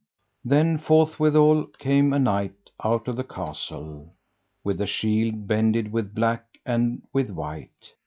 Then forthwithal came a knight out of the castle, with a shield bended with black and with white.